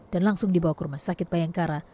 dan langsung dibawa ke rumah sakit bayangkara